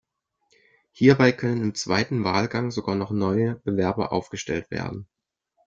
Hierbei können im zweiten Wahlgang sogar noch neue Bewerber aufgestellt werden.